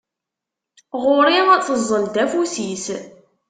Ɣur-i teẓẓel-d afus-is.